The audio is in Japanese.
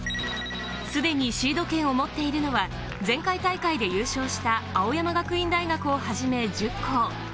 すでにシード権を持っているのは、前回大会で優勝した青山学院大学をはじめ１０校。